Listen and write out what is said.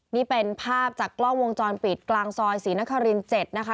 นี่เป็นภาพจากกล้องวงจรปิดกลางซอยศรีนคริน๗นะคะ